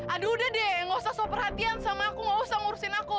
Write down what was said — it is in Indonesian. aduh udah deh nggak usah soal perhatian sama aku gak usah ngurusin aku